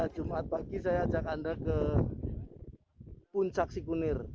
jumat pagi saya ajak anda ke puncak sikunir